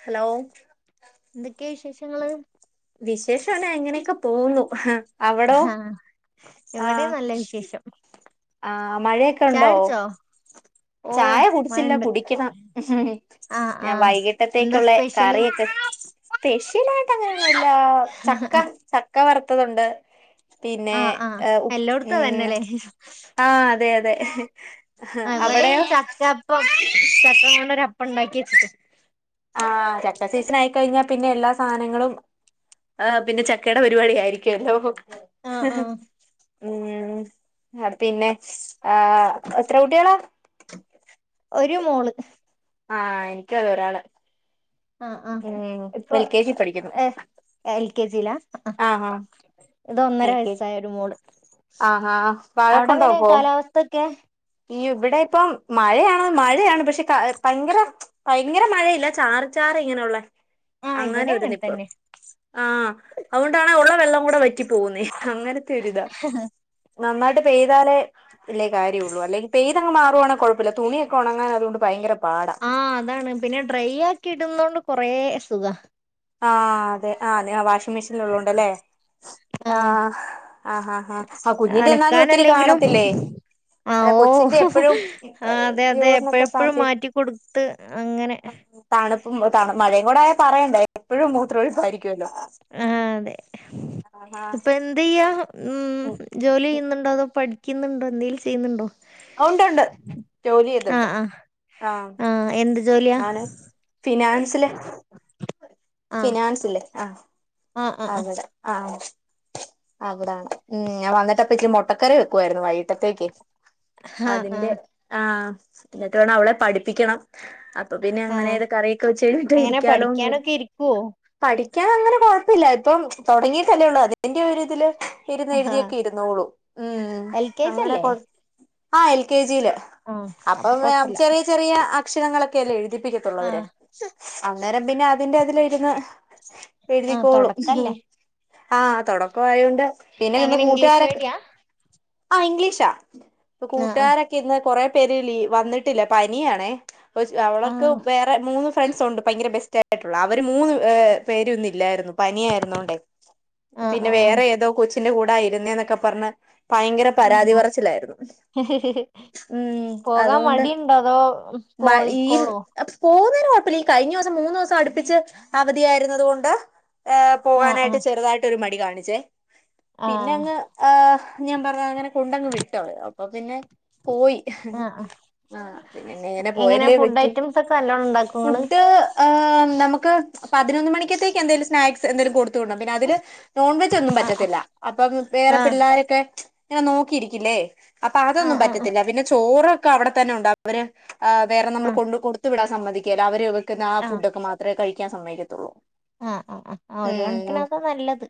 Hello ന്തൊക്കെയാ വിശേഷങ്ങള് വിശേഷം ന എങ്ങനെയൊക്കെ പോന്നു അവടോ ആഹ് ഷം ആഹ് മഴയൊക്കെ ഉണ്ടോ ഓ ചായ കുടിച്ചില്ല മഴണ്ട് കുടിക്കണം. ആഹ് ഞാൻ ആഹ് എന്താ വൈകിട്ടത്തേക്കുള്ള സ്പെഷ്യല് കറിയൊക്കെ സ്പെഷ്യലായിട്ട് അങ്ങനൊന്നുല്ല ചക്ക ചക്ക വറുത്തതുണ്ട് പിന്നെ ആഹ് ആഹ് ഉ് എല്ലോടത്തും ഉം [inaudible] ആഹ് അതെ അതെ അവിടെയോ അപ്പ ചക്രങ്ങൊര അപ്പണ്ടാക്കി വെച്ചിട്ട് ആഹ് ചക്ക സീസൺ ആയിക്കഴിഞ്ഞാൽ പിന്നെ എല്ലാ സാധനങ്ങളും ആഹ് പിന്നെ ചക്കയുടെ പരിപാടി ആയിരിക്കുവല്ലോ ആഹ് ആഹ് ഉം പിന്നെ ആഹ് എത്ര കുട്ടികളാ ഒരു മോള് ആഹ് എനിക്കത ഒരാള് ആഹ് ആഹ് ഉം ഇപ്പൊ എൽ കെ ജി എ എൽ കെ ജിയിലാ ആഹ് ആഹ് ഇതൊന്നര വയസ്സായ ഒരു മോള് ആഹാ വഴക്കുണ്ടോ അവിടെങ്ങനെ അപ്പൊ കാലാവസ്ഥൊക്കെ ഈ ഇവിടെ ഇപ്പം മഴയാണ മഴയാണ് പക്ഷെ ഭയങ്കര ഇങ്ങനെ മഴയില്ല ചാറ് ചാർ ഇങ്ങനെയ ഉള്ള ആഹ് ഇവിടെയങ്ങന തന്നെ ആഹ് അതുകൊണ്ടാണ് ഉള്ള വെള്ളം കൂടെ വറ്റി പോുന്നേ അങ്ങനത്തെ ഒരു ഇതാ നന്നായിട്ട് പെയ്താലേ വല്ല്യ കാര്യള്ളൂ അല്ലെങ്ക പെയ്തങ് മാറുവാണ കുഴപ്പില്ല തുണിയൊക്കെ ഉണങാൻ അതൊണ്ട് ഭയങ്ക പാടാ ആഹ് അതാണ് പിന്നെ ഡ്രൈ ആക്കി ഇടുന്ന കൊണ്ട് കുറെ സുഖ ആഹ് അതെ ആ വാഷിംഗ് മെഷീൻ ഉള്ളൊണ്ടല്ലേ ആഹ് ആഹ് ആഹ് ആഹ് കുഞ്ഞിന്റെ എന്നാലും ഒത്തിരി കാണത്തില്ലേ അലക്കാനല്ലെങ്കിലും ആഹ് അല്ല ഓ കൊച്ചിന്റെ എപ്പഴും ആ അതെ അതെ യൂറിനൊക്കെ എപ്പഴെപ്പഴും പാറ്റി മാറ്റി കൊടുത്ത് അങ്ങനെ തണുപ്പും തണു മഴയും കൂടെ ആയ പറയേണ്ട എപ്പോഴും മൂത്രം ഒഴിപ്പ ആയിരിക്കുമല്ലോ ആഹ് അതെ ഇപ്പൊ എന്ത് ചെയ്യാ ഉം ജോലി ചെയ്യുന്നുണ്ടോ അതോ പഠി ഠിക്കുന്നുണ്ടോ എന്തേങ്കിലും ചെയ്യുന്നുണ്ടോ ഉണ്ട് ഉണ്ട് ജോലി ചെയ്ന്നുണ്ട് ആഹ് ഉം എന്ത് ജോലി ഞാൻ ഫിനാൻസില് ആഹ് ഫിനാൻസ് ഇല്ല ആഹ് ആഹ് ആഹ് അവിടെ ആഹ് അവിടെ ഉം ഞാൻ വന്നിട്ടപ്പ മുട്ടക്കറി വെക്കുവായിരുന്നു വൈകിട്ടത്തേക്ക് ആഹ് ആഹ് അതിന്റെ ആഹ് എന്നിട്ട് വേണം അവളെ പഠിപ്പിക്കണം അപ്പൊ പിന്നെ അങ്ങനെ ആഹ് ഏതൊ കറിയൊക്കെ വെച്ച് കഴിഞ്ഞിട്ട് എങ്ങനെ ഇരിക്കാലോർ പഠിക്കാനൊക്കെ ഇരിക്കുവോ പഠിക്കാൻ അങ്ങനെ കുഴപ്പില്ല ഇപ്പം തുടങ്ങിട്ട് അല്ലേ ഉള്ളൂ അതിന്റെ ഒരു ഇതില് ഇരുന്ന് എഴുതിയൊക്കെ ഇരുന്നോളൂ ഉം എൽ കെ ജി അങ്ങനെ അല്ലേ കൊഴ ആഹ് എൽ കെ ജിയില് ആഹ് അപ്പൊ അപ്പം കൊഴപ്പല്ല ചെറിയ ചെറിയ അക്ഷണങ്ങളൊക്കെല്ല എഴുതിപ്പിക്കത്തുള്ളവര് ആഹ് അന്നേരം പിന്നെ അതിന്റെ അതിൽ ഇരുന്ന് ആഹ് എഴുതികോളും തൊടക്കല്ലേ ആഹ് തുടക്കം ആയതൊണ്ട് പിന്നെ ഇന്ന് എങ്ങനെ ഇംഗ്ലീഷ് കൂട്ടുകാരൊക്കെ മീഡിയാ ആഹ് ഇംഗ്ലീഷാ ഇപ്പൊ ആഹ് കൂട്ടുകാരൊക്കെ ഇന്ന് കുറേ പേര് വന്നിട്ടില്ല പനിയാണേ അവളക്ക് ആഹ് വേറെ മൂന്ന് ഫ്രണ്ട്സ ഉണ്ട് ഭയങ്കര ബെസ്റ്റ ആയിട്ടുള്ള അവര് മൂന്ന് പേര്ന്ന ല്ലായിരുന്നു പനിയായിരുന്നോണ്ടേ ആഹ് പിന്നെ ആഹ് വേറെ ഏതോ കൊച്ചിന്റെ കൂടെ ആഹ് ഇരുന്നേ എന്നൊക്കെ പറഞ്ഞ ഭയങ്കര ആഹ് ആഹ് പരാതി പറച്ചിലായിരുന്നു ഉം പോകാൻ അതുകൊണ്ട് മടി ഉണ്ടോ അതോ പോയിക്കോളോ പോകുന്നതിന് കുഴപ്പമില്ല കഴിഞ്ഞ ദിവസം മൂന്ന് ദിവസം അടുപ്പിച്ച് അവധിയായിരുന്നത് കൊണ്ട് ഏഹ് ആഹ് പോകാനായിട്ട് ആഹ് ചെറുതായിട്ട് മടി കാണിച്ചേ പിന്നെ ആഹ് അങ്ങ് ആഹ് ഞാൻ പറഞ്ഞ അങ്ങനെ കൊണ്ടങ്ങ് വിട്ട് അപ്പൊ പിന്നെ പോയി ആഹ് ആഹ് ആഹ് പിന്നെ ഇങ്ങനെ എങ്ങനെ പോയല്ലേ ഫുഡ് പറ്റൂ ഐറ്റംസ് ഒക്കെ നല്ലോണം ഉണ്ടാക്കോ ഇങ്ങള് ഫുഡ് ആഹ് നമുക്ക് പതിനൊന്ന് മണിക്കത്തേക്ക് എന്തേങ്കലും സ്നാക്സ് എന്തേലും കൊടുത്ത ത് വിടണം പിന്നെ അതില് നോൺവെജ് ഒന്നും ആഹ് പറ്റത്തില്ല അപ്പം വേറെ ആഹ് പിള്ളോരൊക്കെ ഇങ്ങനെ നോക്കിയിരിക്കില്ലേ അപ്പൊ ആഹ് അതൊന്നും ആഹ് പറ്റത്തില്ല പിന്നെ ചോറൊക്കെ അവിടെത്തന്നെ ഉണ്ടാവ അവര് വേറെ നമ്മൾ ആഹ് കൊണ്ട കൊടുത്തു വിടാൻ സമ്മതികില്ല അവര് വെക്കുന്ന ആഹ് ഫുഡ് ഒക്കെ മാത്രം ത്രേ കഴിക്കാൻ സമ്മയക്കത്തുള്ളൂ ആഹ് ആഹ് ആഹ് ആഹ് ഒരു കണക്കിന് അതാ നല്ലത്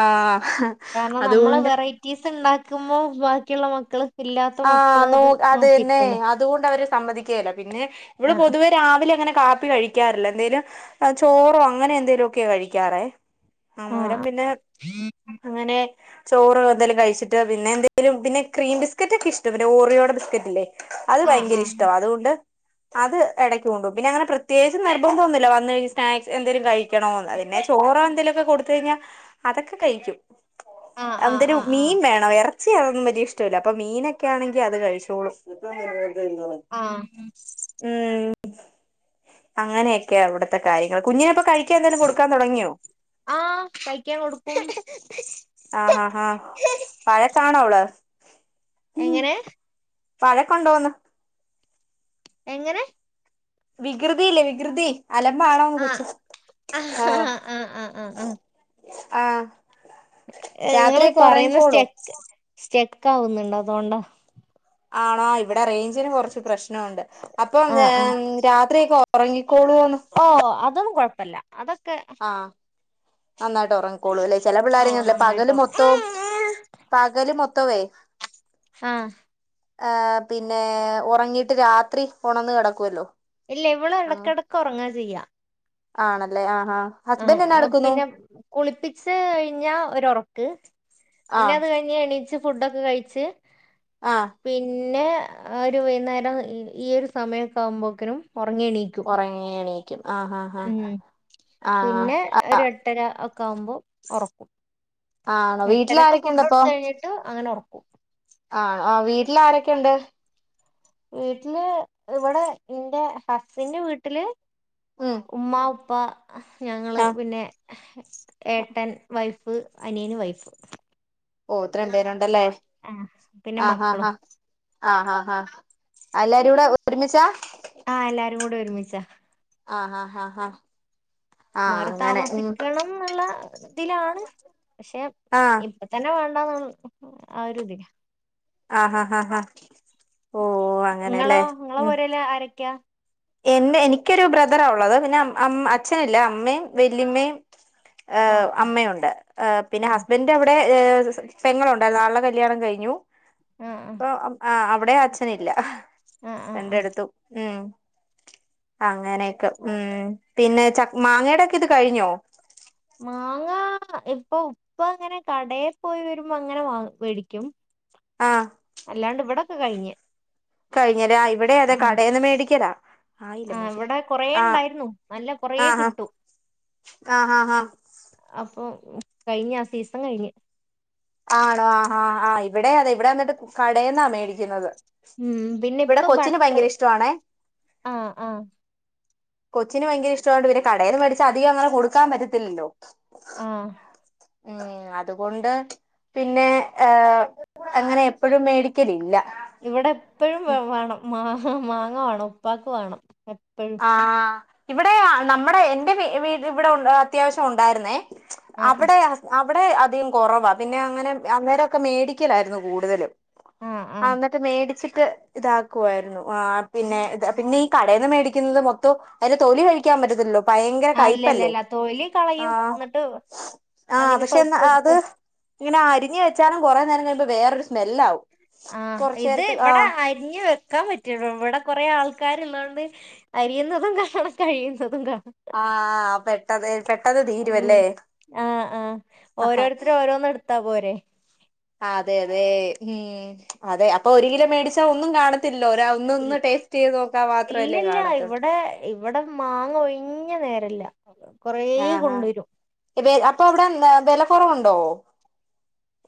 ആഹ് കാരണം നമ്മളെ അതുകൊണ്ട് വെറൈറ്റി റ്റിസ് ഉണ്ടാക്കുമ്പോ ബാക്കിയുള്ള മക്കൾ ഇല്ലാത്ത ആഹ് മക്കള് നോ അത് തന്നെ നോക്കിയിരിക്കണ്ടേ അതുകൊണ്ട് അവര് സമ്മതിക്കുകല്ല പിന്നെ ഇവിള് ആഹ് പൊതുവെ രാവിലെ അങ്ങനെ കാപ്പി കഴിക്ക കഴിക്കാറില്ല എന്തേലും ചോറോ അങ്ങനെ എന്തേലു ഒക്കെ കഴിക്കാറേ അന്നേരം ആഹ് പിന്നെ അങ്ങനെ ചോറ് എന്തായാലും കഴിച്ചിട്ട് പിന്നെന്തേലും പിന്നെ ക്രീം ബിസ്‌ക്കറ്റ ഒക്കെ ഇഷ്ട പിന്നെ ഓറിയോടെ ബിസ്ക്കറ്റ് ഇല്ലേ അത് ആഹ് ഭയങ്കര ഇഷ്ടമാണ് അതുകൊണ്ട് അത് ഇടയ്ക്ക് കൊണ്ടുപോവും പിന്ന അങ്ങനെ പ്രത്യകിച്ച് നിർബന്ധം ഒന്നുല വന്ന് കഴിഞ്ഞ് സ്നാക്സ് എന്തേലും കഴിക്കും ക്കണോന്ന് പിന്നെ ചോറോ എന്തെലുമൊക്കെ കൊടുത്ത് കഴിഞ്ഞാൽ അതൊക്കെ കഴിക്കും ആഹ് ആഹ് അന്തൊരു ആഹ് ആഹ് മീൻ വേണം ഇറച്ചി അതൊന്നും വലിയ ഇഷ്ടമല്ല അപ്പൊ മീനൊക്കെ ആണെങ്കി അത് കഴിച്ചോളൂ ആഹ് ഉം അങ്ങനെയൊക്കെയ ഇവിടത്തെ കാര്യങ്ങൾ കുഞ്ഞിനെപ്പോ കഴിക്ക കഴിക്കാൻ എന്തെങ്കിലും കൊടുക്കൻ തുടങ്ങിയോ ആഹ് കഴിക്കാൻ കൊടുക്കൂം ആഹആഹ് ആഹ് വാഴ്ക ആണോ അവള് എങ്ങനെ വഴക്ക് ഉണ്ടോന്ന് എങ്ങനെ? വികൃതിയില്ലേ വികൃതി അലമ്പാണോന്ന് ആഹ് കൊച്ചു ആഹ് ആഹ് ഇങ്ങള് രാത്രിയൊക്കെ പറയുന്ന ഉറങ്ങിക്കോളോ സ്റ്റെക്ക് സ്റ്റെക്കാവുന്നുണ്ട് അതുകൊണ്ടാ ആണോ ഇവിടെ റേഞ്ചിന് കൊറച്ച് പ്രശ്നോണ്ട് അപ്പം ആഹ് ആഹ് രാത്രിയൊക്കെ ഉറങ്ങിക്കോളൂന്ന്. ഓ അതൊന്നും കൊഴപ്പല്ല അതൊക്കെ ആഹ് നന്നായിട്ട് ഉറങ്ങ് ക്കോളൂല്ലേ ചെല ഓ പിള്ളേരങ്ങല്ല നന്നായിട്ട് പകല് ഉറങ്ങും മൊത്തോം പകല് മൊത്തമേ ആഹ് ആ പിന്നെ ഒറങ്ങിട്ട് രാത്രി ഒണന്ന് കിടക്കുല്ലോ ഇല്ല ഇവള് ഇടക്കിടക്ക് ഉറങ്ങാ ചെയ്യാ. ആണല്ലേ ആഹ് ആഹ് ഹസ്ബൻഡ് എന്നാ ആഹ് എടുക്കുന്നു പിന്നെ കുളിപ്പിച്ച് കഴിഞ്ഞാ ഒരൊറക്ക് പിന്നെ ആഹ് അത് കഴി ഞ്ഞ് എണീച്ച് ഫുടൊക്കെ കഴിച്ച് ആഹ് പിന്നെ ഒരു വൈന്നേരം ഈ ഒരു സമയൊക്കെ ആകുമ്പോക്കിനും ഒറങ്ങിണീ ഉറങ്ങി എണീക്കും ആഹ് ആഹ് ആഹ് ആ ആ ട്ടര ഒക്കെ ആകുമ്പോൾ ഒറക്കും ആഹ് ആണോ വീട്ടിൽ എട്ടരക്ക് ഫുഡ് ആരൊക്കെയുണ്ട് അപ്പൊ കൊടുത്ത് കഴിഞ്ഞ ട്ട് അങ്ങനെ ഉറക്കും ആഹ് ആ വീട്ടിൽ ആരൊക്കുണ്ട്? വീട്ടില് ഇവിടെ എന്റെ ഹസിന്റെ വീട്ടില് ഉം ഉമ്മാ ഉ പ്പ, ഞങ്ങൾ ആഹ് പിന്നെ ഏട്ടൻ, വൈഫ്, അനിയന്, വൈഫ് ഓ ഇത്രേം പേരുണ്ടല്ലേ ആഹ് പിന്നെ ആഹ് ഹാ മക്കളും ഹാ ആഹ് ഹാ ഹാ എല്ലാരും കൂടെ ഒരുമിച്ചാ? ആഹ് എല്ലാരും കൂടെ ഒരുമിച്ചാ ആഹ് ആഹ് ഹാ ഹാ മാറി താമസിക്കണംന്നിള്ള ഇതിലാണ് പക്ഷെ ആഹ് ഇപ്പ പ്പ തന്നെ വേണ്ടന്നാണ് ആ ഒരു ഇതി ആഹ് ആഹ് ആഹ് ആഹ് ഓഹ് ഇങ്ങളോ അങ്ങനെല്ലേ ഇങ്ങളെ ഉം പുരേല് ആരൊക്ക്യ? എന്റെ എനിക്കൊരു ബ്രദറാള്ളത് പിന്നെ അച്ഛനില്ല അമ്മേം, വല്ല്യമ്മേം ആഹ് ഏഹ് അമ്മയുണ്ട്. ഏ പിന്നെ ആഹ് ഹസ്ബൻഡിന്റെ അവിടെ പെങ്ങളുണ്ടായിരുന്നു ആൾടെ കല്യാണം കഴിഞ്ഞു. ആഹ് ആഹ്. ഇപ്പൊ ആഹ് അവിടേം അച്ഛനില്ല ആഹ് ആഹ് ആഹ് രണ്ടെടുത്തും ഉം. അങ്ങനെയൊക്കെ ഉം പിന്നെ ച മാങ്ങടെക്കെ ഇത് കഴിഞ്ഞോ? മാങ്ങാ ഇപ്പൊ ഉപ്പ അങ്ങനെ കടേപോയി വരുമ്പോങ്ങനെ വ വേടിക്കും ആഹ് അല്ലാണ്ട് ഇവിടൊക്കെ കയിഞ്ഞ് കഴിഞ്ഞേല്ലേ ആഹ് ഇവിടെ അതെ കടേന്ന് മേടിക്കലാ ആയില്ല ആ മോശരി ഇവിടെ കൊറേ ആഹ് ഉണ്ടായിരുന്നു നല്ല കൊറേ ആഹ് കിട്ടു. ആഹ് ആഹ് ഹാ അപ്പൊ കയിഞ്ഞാ സീസൺ കയിഞ്ഞ് ആണോ ആഹ് ആഹ് ഹാ ഇവിടെ അതെ ഇവിടെന്നിട്ട് കടേന്നാ മേടിക്കുന്നത് ഉം ഇവിടെ പിന്നിപ്പൊ കൊച്ചിന് ബട്ടറ് ഭയങ്കര ഇഷ്ടമാണേ ആഹ് ആഹ് കൊച്ചിന് ഭയങ്കര ഇഷ്ടായോണ്ട് പിന്ന കടേന്ന് മേടിച്ച് അധികങ്ങന കൊടുക്കാപറ്റത്തില്ലല്ലോ ആഹ് ഉം അതുകൊണ്ട് പിന്നെ ഏഹ് അങ്ങനെ എപ്പോഴും മേടിക്കലില്ല ഇവിടെ എപ്പഴും വ വേണം മാങ്ങ മാങ്ങ വാണം ഉപ്പാക്ക് വാണം എപ്പോഴും ആഹ് ഇവിടെ നമ്മടെ എന്റെ വി ഇവിടെ അത്യാവശ്യണ്ടായിരുന്നേ ആ ആ അവിടെ ഹസ് അവിടെ അധികം കോറവാ പിന്നെ അങ്ങനെ അന്നേരൊക്കെ മേടിക്കലായിരുന്നു കൂടുതലും ആ ആ ആഹ് ന്നി ന്നിട്ട് മേടിച്ചിട്ട് ഇതാക്കു ആയിരുന്നു ആഹ് പിന്നെ പിന്നെ ഈ കടേന്ന് ക്കുന്നത് മൊത്തൊ അയിന്റെ തൊലി കഴിക്കാൻ പറ്റത്തില്ലല്ലോ ഭയങ്കര ആ ഇല്ല ഇല്ല കയ്പല്ലേ ഇല്ല തൊലി കളയും ആഹ് എന്നിട്ട് ആഹ് അതിന് പശെ പൾപ്പ് അത് എടുക്കും ഇങ്ങനെ അരിഞ്ഞ് വെച്ചാലും കെറേ നേരം കഴിമ്പോ വേറെരു സ്മെല്ലാവും ആഹ് കൊറച്ചു ഇത് നേരത്ത് വിടെ ആഹ് അരിഞ്ഞു വെക്കാൻ പറ്റുല ഇവിടെ കൊറെ ആൾക്കാര്ള്ളോണ്ട് അരിയുന്നതു കാണാം കഴിയുന്നതു കാണാം ആഹ് പെട്ടത് പെട്ടെന്ന് തീരു ഉം അല്ലേ ആ ആ ഓരോരുത്തര് ഓരോന്ന് എടുത്താ പോരെ അതെ അതെ ഉം അതെ അപ്പൊ ഒരു കിലോ മേടിച്ചാ ഒന്നും കാണത്തില്ലല്ലോ ഒരാ ഇൽ ഓന്നൊന്ന് ടേസ്റ്റയ്ത് നോക്കാ മാത്രല്ലേ ഇല്ലില്ല കാണത്തുള്ളു ഇവിടെ ഇവിടെ മാങ്ങ ഒഴിഞ്ഞ നേരല്ല കൊറെ കൊണ്ടരും വെ അപ്പൊ അവിടെ എന്ത വെല കെറവുണ്ടോ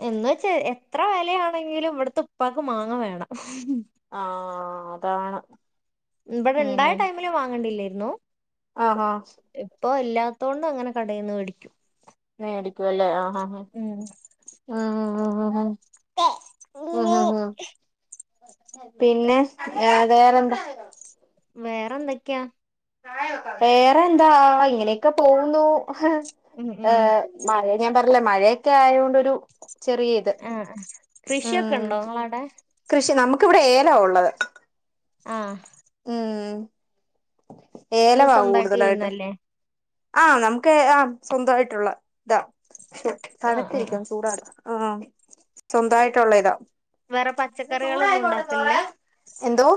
എന്നവെച്ച എത്ര വെലയാണെങ്കിലും ഇവിടത്തെ ഉപ്പാക്ക് മാങ്ങ വേണം ആഹ് അതാണ് ഇവിടെ ഉം ഇണ്ടായ ഉം ടൈമില് വാങ്ങണ്ടില്ലേയ്‌രുന്നു ആഹ് ആഹ് ഇപ്പൊല്ലാത്തോണ്ട് അങ്ങനെ കടേന്ന് വേടിക്കും മേടിക്കുല്ലേ ആഹ് ആഹ് ഉം ആഹ് ആഹ് ആഹ് ആഹ് ആഹ് പിന്നെ വേറെന്താ വേറെന്തൊക്കെയാ വേറെ എന്താ ഇങ്ങനെയൊക്കെ പോവുന്നു ഉം ഉം ഏഹ് മഴ ഞാൻ പറഞ്ഞില്ലേ മഴയൊക്കെ ആയാണ്ടൊരു ചെറിയ ഇത് ആഹ് കൃഷിയൊക്കെ ഉം ഇണ്ടോ നിങ്ങളാടെ കൃഷി നമുക്കവിടെ ഏലള്ളത് ആഹ് ഉം നിങ്ങള് ഏലവാ സ്വന്തായിട്ട് കൂടുതലായിട്ട് ചെയ്യുന്നല്ലേ ആഹ് നമക്ക് ആഹ് സ്വന്തായിട്ടുള്ള താ ആ ആ ആ തണ്ത്തിരിക്കാ ചൂടാ ആഹ് സ്വന്തായിട്ടുള്ള ഇതാ വേറെ പച്ചക്കറികളൊന്നും ഉണ്ടാക്കില്ല എന്തോ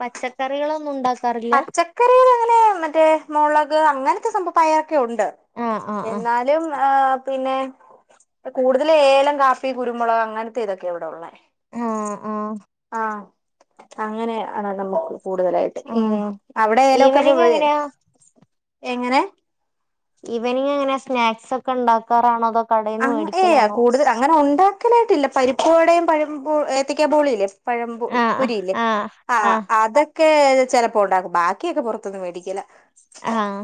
പച്ചക്കറികളൊന്നും ഉണ്ട പച്ചക്കറിൽ അങ്ങനെ മറ്റേ മുളക് അങ്ങനത്തെ സംഭ പയർക്കെ ഉണ്ട്. ആ ആ ആ എന്നാലും ആഹ് പിന്നെ കൂടുതൽ ഏലം, കാപ്പി, കുരുമുളക് അങ്ങനത്തെ ഇതൊക്കെ ഇവിടെ ഉള്ളേ. ആഹ് ആഹ് ആഹ് അങ്ങനെ ആണ് നമക്ക് കൂടുതലായിട്ട്. ആ ഉം അവിടെ എലൊക്കെ പോ ഈവനിങ് വ് എങ്ങനെയാ എങ്ങനെ ഈവനിങ് എങ്ങനെ സ്നാക്സ് ഒക്കെ ഉണ്ടാക്കാറാണോ അതോ കടയിൽന്ന് മേടിക്കലാണോ ഓഹ് ഉണ്ടാ ക്കലായിട്ടില്ല പരിപ്പടെയും പയം പോ എത്തിക്കാൻ പോളി ല്ലെ പഴമ്പു പുരില്ലേ ആഹ് ആഹ് അത്‌ ഒക്കെ ചിലപ്പോ ഉണ്ടാക്കും ബാക്കിയൊക്കെ പുറത്തൊന്നും മേടിക്കില്ല ആഹ്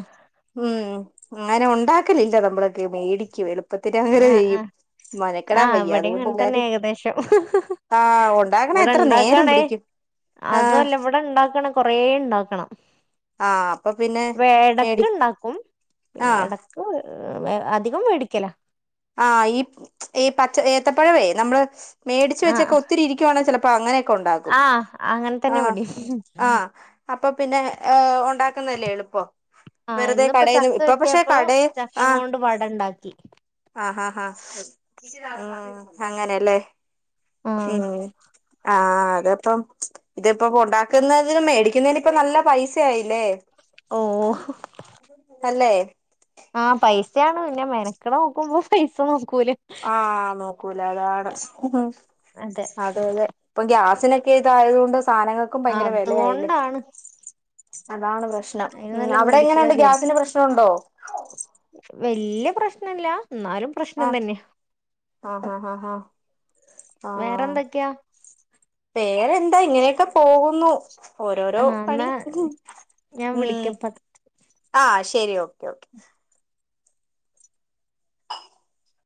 ഉം അങ്ങനെ ഉണ്ടാക്കലില്ല നമ്മളൊക്കെ മേടിക്കും എളുപ്പത്തിന അങ്ങനെ ആഹ് ചെയ്യും. ആഹ് മനക്കണാ ആഹ് വയ്യ ഇവിടെയും അതുകൊണ്ട് അങ്ങനെ തന്നെ എല്ലാരെ ഏകദേശം ആഹ് ഉണ്ടാകണെ എത്ര നേരം പിടിക്കും. അതു ആഹ് അല്ല ഇവിടെ ഇണ്ടാക്കണെ കൊറെ ഇണ്ടാക്കണം. ആഹ് അപ്പൊ പിന്നെ വേടക്ക് മേടി ഉണ്ടാക്കും..... ആഹ് ഇടക്ക് അധികം മേടിക്കല...... ആ ഈ ഈ പച്ച ഏത്തപ്പഴവേ നമ്മള് മേടിച്ചച്ച് ആഹ് വെച്ചൊക്കെ ഒത്തിരി ഇരിപ്പ ചിലപ്പോ. അങ്ങനെ ഉണ്ടാക്കും ആഹ് അങ്ങനെ ആ തന്നെ ഇവിടേം ആ അപ്പോ പിന്നെ ഏ ഉണ്ടാ. ക്കുന്നല്ലേ എളിപ്പോ ആഹ് വെറുതെ ഇന്നിപ്പോ കടയിൽന്ന് ഇപ്പൊ പക്ഷെ കട ആ..... വാട ഉണ്ടാക്കി..... ആഹ് ആഹ് ഹ അങ്ങനെയല്ലേ ആഹ് ഉം ആഹ്അതപ്പം..... ഇതിപ്പോ ഉണ്ടാക്കുന്നതിനും മേടിക്കുന്നതിന് ഇപ്പ നല്ല പൈസയായില്ലേ.... ഓഹ് അല്ലേ...... ആഹ പൈസയാണ് പിന്നെ മെനക്കടെ നോക്കുമ്പോ പൈസ നോക്കൂല...... ആഹ നോക്കൂല അതാണ് അതെ അതലെ..... ഇപ്പൊ ഗ്യാസിനൊക്കെ ഇതായതു കൊണ്ട് സാധനങ്ങൾക്കും ഭയങ്കര വിലയായില്ലേ..... അതുകൊണ്ടാണ് അതാണ് പ്രശ്നം അതിന് ഉം നല്ല അവിടെ മേടിക്കല എങ്ങനെയണ്ട് വിചാരിക്കും ഗ്യാസിന്റെ പ്രശ്നംണ്ടോ... വല്യ പ്രശ്നല്ല എന്നാലും.... പ്രശ്നം ആഹ തന്നെ ആഹ ഹഹ് ആഹ ആഹ... ആഹ് വേറെന്തൊക്കെയാ വേറെന്താ ഇങ്ങനെയൊക്കെ പോകുന്നു.., ഓരോരോ ആ പണി എന്നാ ഞാൻ ഉം..... വിളിക്കപ്പ ആ ശെരി ഓക്കെ ഓക്കെ.....